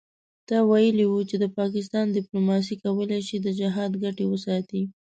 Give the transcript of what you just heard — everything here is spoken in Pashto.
ته ویلي وو چې د پاکستان دیپلوماسي کولای شي د جهاد ګټې وساتي.